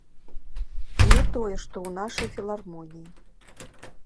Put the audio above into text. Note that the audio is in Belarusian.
Не тое, што ў нашай філармоніі.